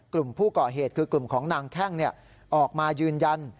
กลุ่มผู้ก่อเหตุคือกลุ่มของนางแข้งออกมายืนยัน